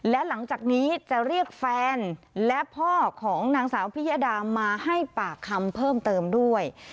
และหลังจากนี้จะเรียกแฟนและพ่อของนางสาวพิยดามาให้ปากคำเพิ่มเติมด้วย